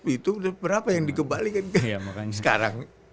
itu berapa yang dikebalikan sekarang